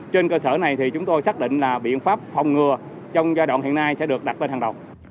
trên cơ sở này thì chúng tôi xác định là biện pháp phòng ngừa trong giai đoạn hiện nay sẽ được đặt lên hàng đầu